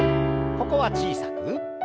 ここは小さく。